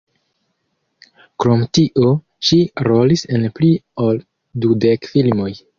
Krom tio ŝi rolis en pli ol dudek filmoj.